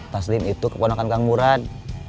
taslim itu keponakan kang murad